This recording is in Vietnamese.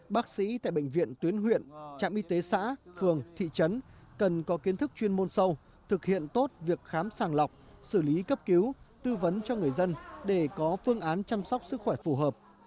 bác sĩ tại bệnh viện tuyến huyện trạm y tế xã phường thị trấn cần có kiến thức chuyên môn sâu thực hiện tốt việc khám sàng lọc xử lý cấp cứu tư vấn cho người dân để có phương án chăm sóc sức khỏe phù hợp